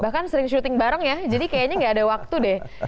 bahkan sering syuting bareng ya jadi kayaknya nggak ada waktu deh